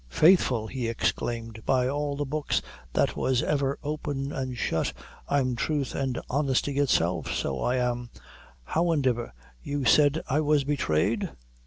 "Faithful!" he exclaimed. "By all the books that was ever opened an' shut, I'm thruth and honesty itself, so I am howandiver, you said I was betrayed?"